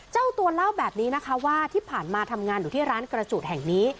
เจ้าตัวเล่าแบบนี้นะคะว่าที่ผ่านมาทำงานอยู่ที่ร้านกระจูดแห่งนี้